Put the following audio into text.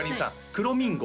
くろみんご